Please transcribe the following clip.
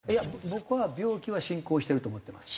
僕は病気は進行してると思ってます。